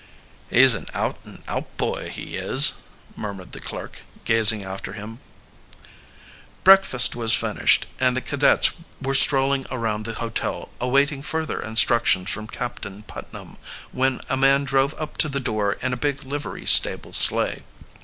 "He's an out and out boy, he is," murmured the clerk, gazing after him. Breakfast was finished, and the cadets were strolling around the hotel awaiting further instructions from Captain Putnam, when a man drove up to the door in a big livery stable sleigh.